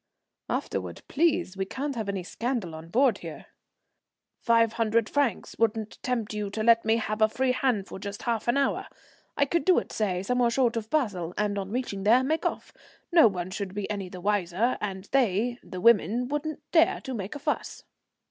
"Afterwards, please. We can't have any scandal on board here." "Five hundred francs wouldn't tempt you to let me have a free hand for just half an hour? I could do it, say somewhere short of Basle, and on reaching there make off. No one should be any the wiser, and they, the women, wouldn't dare to make a fuss."